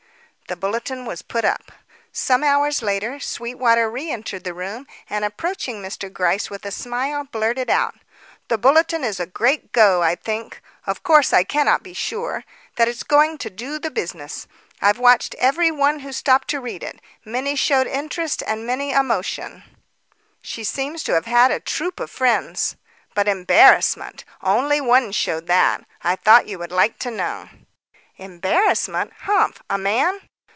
A bulletin was put up. Some hours later, Sweetwater re entered the room, and, approaching Mr. Gryce with a smile, blurted out: "The bulletin is a great go. I think of course, I cannot be sure that it's going to do the business. I've watched every one who stopped to read it. Many showed interest and many, emotion; she seems to have had a troop of friends. But embarrassment! only one showed that. I thought you would like to know." "Embarrassment? Humph! a man?"